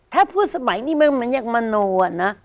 ถ้าพูดสมัยนี้มันเหมือนยังมโนอะนะ